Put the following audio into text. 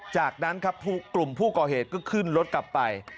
จากนั้นครับกลุ่มผู้ก่อเหตุก็ขึ้นรถกลับไป